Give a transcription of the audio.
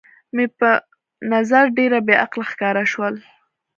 مې په نظر ډېره بې عقله ښکاره شول.